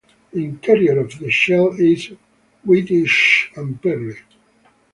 The interior of the shell is whitish and pearly.